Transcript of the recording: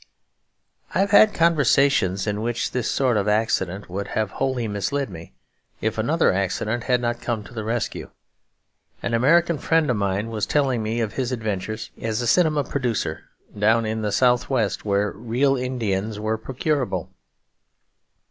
I have had conversations in which this sort of accident would have wholly misled me, if another accident had not come to the rescue. An American friend of mine was telling me of his adventures as a cinema producer down in the south west where real Red Indians were procurable.